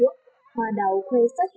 đồng đội đã khai sách